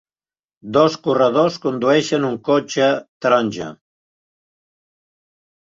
Dos corredors condueixen un cotxe taronja